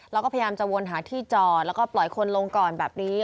เราก็พยายามจะวนหาที่จอดแล้วก็ปล่อยคนลงก่อนแบบนี้